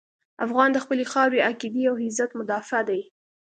افغان د خپلې خاورې، عقیدې او عزت مدافع دی.